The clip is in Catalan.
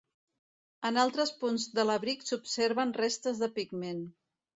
En altres punts de l'abric s'observen restes de pigment.